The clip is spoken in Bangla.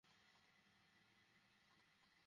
তোমার রাজ্যে তোমার ইচ্ছেমত সব হবে!